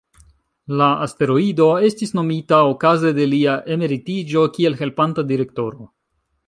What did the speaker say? La asteroido estis nomita okaze de lia emeritiĝo kiel helpanta direktoro.